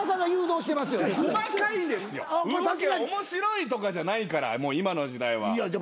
動きが面白いとかじゃないから今の時代は。